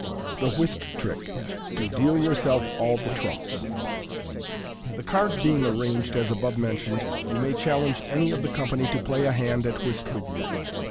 The Whist Trick. To deal tourselp all the Trumps.— The cards being arranged as above mentioned, you may challenge any of the company to play a hand at whist with you.